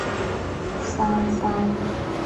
山噪鹛。